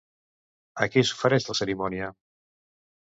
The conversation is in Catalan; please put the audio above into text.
A qui s'ofereix la cerimònia?